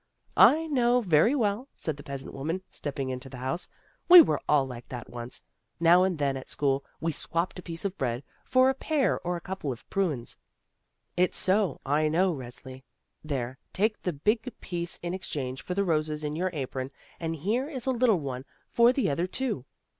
"I know very well," said the peasant woman, stepping into the house, "we were all like that once; now and then at school we swapped a piece of bread for a pear or a couple of prunes; it's so, I know, Resli. There, take the big piece in exchange for the roses in your apron, and here is a little one for the other two.